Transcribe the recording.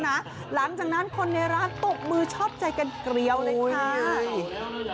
หลังจากนั้นคนในร้านตบมือชอบใจกันเกลียวเลยค่ะ